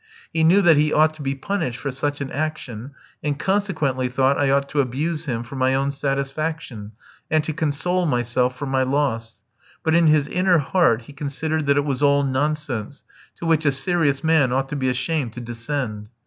He knew that he ought to be punished for such an action, and consequently thought I ought to abuse him for my own satisfaction, and to console myself for my loss. But in his inner heart he considered that it was all nonsense, to which a serious man ought to be ashamed to descend.